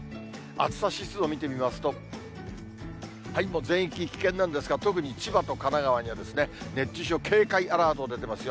暑さ指数を見てみますと、全域、危険なんですが、特に千葉と神奈川には、熱中症警戒アラート出てますよ。